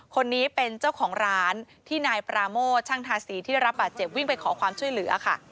คนนี้เป็นเจ้าของร้านที่นายปราโมทช่างทาสีที่ได้รับบาดเจ็บวิ่งไปขอความช่วยเหลือค่ะ